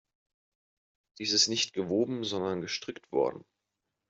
Dies ist nicht gewoben, sondern gestrickt worden.